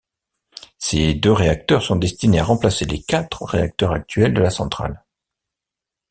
Ces deux réacteurs sont destinés à remplacer les quatre réacteurs actuels de la centrale.